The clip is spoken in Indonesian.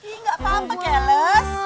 nggak apa apa keles